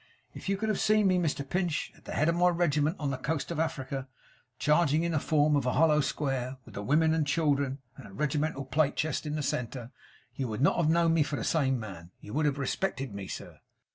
If you could have seen me, Mr Pinch, at the head of my regiment on the coast of Africa, charging in the form of a hollow square, with the women and children and the regimental plate chest in the centre, you would not have known me for the same man. You would have respected me, sir.